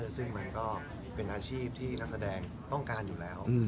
ซึ่งมันก็เป็นอาชีพที่นักแสดงต้องการอยู่แล้ว